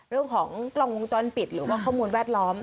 เรื่องของกล้องวงจรปิดหรือว่าข้อมูลแวดล้อม